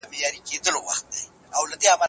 هر قوم خپل ځانګړی تاریخ لري.